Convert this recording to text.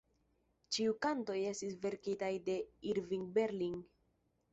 Ĉiu kantoj estis verkitaj de Irving Berlin.